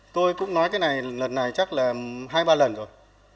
tôi cũng nói cái này lần này chắc là hai ba lần rồi